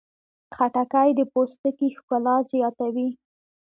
خټکی د پوستکي ښکلا زیاتوي.